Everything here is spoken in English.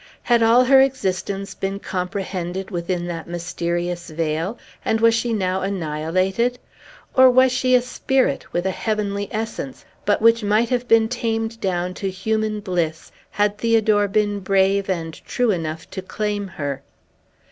Had all her existence been comprehended within that mysterious veil, and was she now annihilated? Or was she a spirit, with a heavenly essence, but which might have been tamed down to human bliss, had Theodore been brave and true enough to claim her?